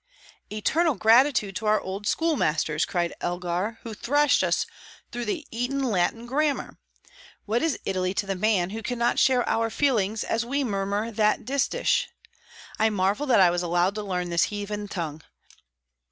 "Eternal gratitude to our old schoolmasters," cried Elgar, "who thrashed us through the Eton Latin grammar! What is Italy to the man who cannot share our feelings as we murmur that distich? I marvel that I was allowed to learn this heathen tongue.